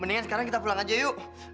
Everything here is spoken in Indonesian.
eh lu lagi buta hijau